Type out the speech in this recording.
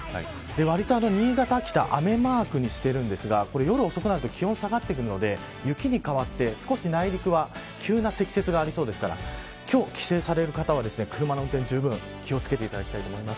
割と新潟、秋田雨マークにしてるんですが夜遅くなると気温が下がってくるので雪に変わって少し内陸は急な積雪がありそうですから今日帰省される方は、車の運転にじゅうぶん気を付けていただきたいと思います。